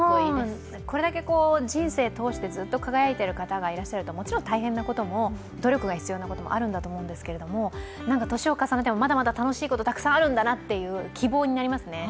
これだけ人生通してずっと輝いている方がいらっしゃるともちろん大変なことも努力が必要なこともあるんだと思うんですけれど年を重ねてもまだまだ楽しいこと、たくさんあるんだなって希望になりますね。